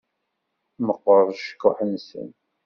Meqqeṛ ucekkuḥ-nsen.